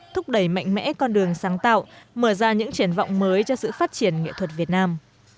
thúc đẩy mạnh mẽ con đường sáng tạo mở ra những triển vọng mới cho sự phát triển nghệ thuật việt nam